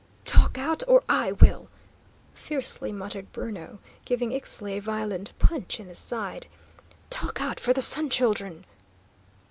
"Talk out, or I will!" fiercely muttered Bruno, giving Ixtli a violent punch in the side, "talk out for the Sun Children!"